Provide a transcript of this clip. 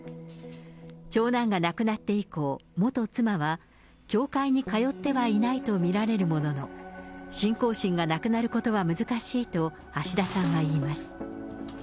長男が亡くなって以降、元妻は教会に通ってはいないと見られるものの、信仰心がなくなることは難しいと、橋田さんは言います。